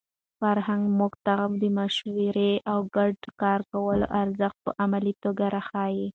فرهنګ موږ ته د مشورې او ګډ کار کولو ارزښت په عملي توګه راښيي.